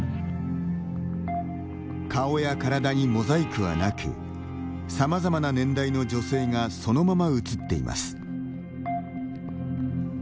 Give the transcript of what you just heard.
顔や体にモザイクはなくさまざまな年代の女性がそのまま映っています。